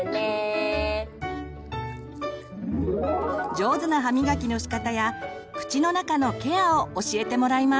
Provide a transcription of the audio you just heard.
上手な歯みがきのしかたや口の中のケアを教えてもらいます。